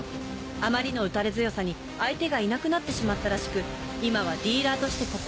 あまりの打たれ強さに相手がいなくなってしまったらしく今はディーラーとしてここを任されています。